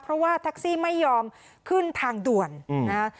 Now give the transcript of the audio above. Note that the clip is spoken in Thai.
เพราะว่าแท็กซี่ไม่ยอมขึ้นทางด่วนนะฮะ